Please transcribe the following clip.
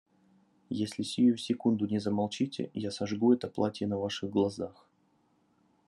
Если сию секунду не замолчите, я сожгу это платье на Ваших глазах!